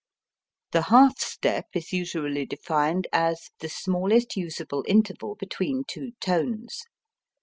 The half step is usually defined as "the smallest usable interval between two tones."